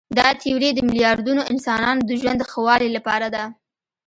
دا تیوري د میلیاردونو انسانانو د ژوند د ښه والي لپاره ده.